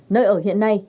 nơi ở hiện nay